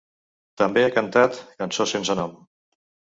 També ha cantat ‘Cançó sense nom’.